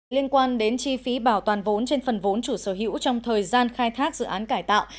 liên quan đến chi phí bảo toàn vốn trên phần vốn chủ sở hữu trong thời gian khai thác dự án cải tạo